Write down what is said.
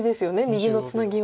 逃げのツナギは。